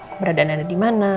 keberadaan anda dimana